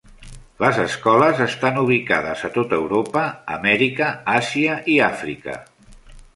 Les escoles estan ubicades a tot Europa, Amèrica, Àsia i Àfrica.